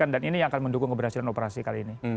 dan ini yang akan mendukung keberhasilan operasi kali ini